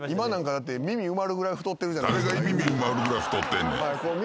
誰が耳埋まるぐらい太ってんねん。